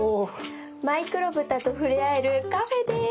マイクロブタと触れ合えるカフェです！